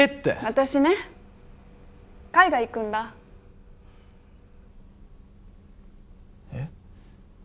私ね海外行くんだ。え？